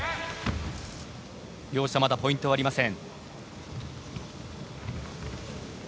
両者まだポイントはありません。